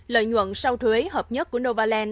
lợi nhuận sau thuế hợp nhất của novaland